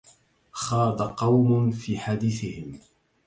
خاض قوم في حديثهم